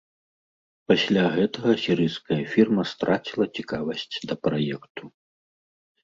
Пасля гэтага сірыйская фірма страціла цікавасць да праекту.